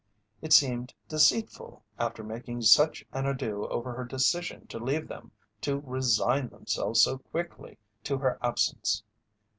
It seemed deceitful, after making such an ado over her decision to leave them, to resign themselves so quickly to her absence.